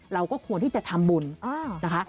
เราก็ควรที่จะทำบุญนะคะ